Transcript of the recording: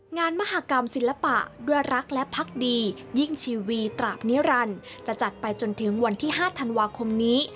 งานมหากรรมศิลปะด้วยรักและพักดียิ่งชีวิตตราบนิรันดิ์จะจัดไปจนถึงวันที่๕ธันวาคมนี้